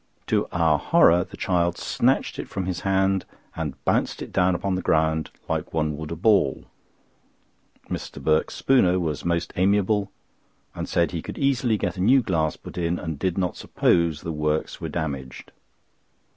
To our horror, the child snatched it from his hand and bounced it down upon the ground like one would a ball. Mr. Birks Spooner was most amiable, and said he could easily get a new glass put in, and did not suppose the works were damaged.